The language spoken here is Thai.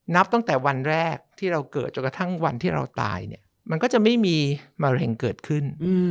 นับตั้งแต่วันแรกที่เราเกิดจนกระทั่งวันที่เราตายเนี่ยมันก็จะไม่มีมะเร็งเกิดขึ้น